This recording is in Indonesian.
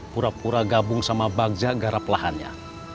pura pura gabung sama bangsa garap lahannya